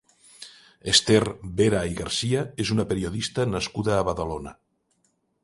Esther Vera i Garcia és una periodista nascuda a Badalona.